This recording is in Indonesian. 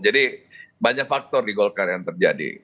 jadi banyak faktor di golkar yang terjadi